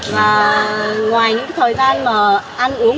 và ngoài những thời gian mà ăn uống